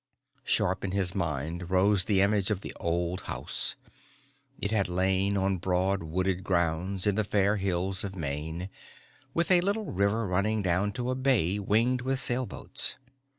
_ Sharp in his mind rose the image of the old house. It had lain on broad wooded grounds in the fair hills of Maine, with a little river running down to a bay winged with sailboats.